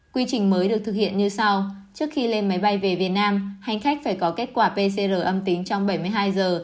quy trình mới được thực hiện như sau trước khi lên máy bay về việt nam hành khách phải có kết quả pcr âm tính trong bảy mươi hai giờ